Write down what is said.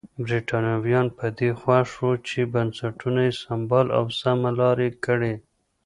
برېټانویان پر دې خوښ وو چې بنسټونه یې سمبال او سمه لار یې کړي.